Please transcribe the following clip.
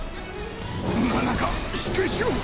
村中しっかりしろ！